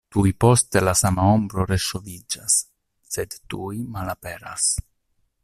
Tuj poste la sama ombro reŝoviĝas, sed tuj malaperas.